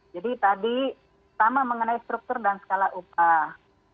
jadi tadi pertama mengenai struktur dan skala upah